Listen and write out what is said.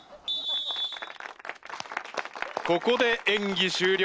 ここで演技終了。